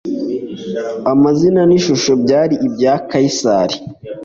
amazina n'ishusho byari ibya Kaisari;